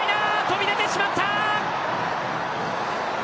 飛び出てしまった！